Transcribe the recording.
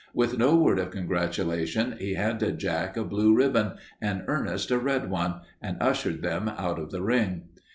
With no word of congratulation he handed Jack a blue ribbon and Ernest a red one, and ushered them out of the ring.